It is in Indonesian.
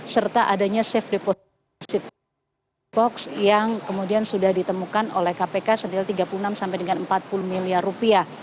serta adanya safe deposisi box yang kemudian sudah ditemukan oleh kpk senilai tiga puluh enam sampai dengan empat puluh miliar rupiah